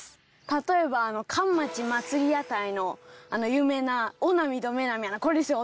例えば『上町祭屋台』のあの有名な『男浪』と『女浪』はこれですよ！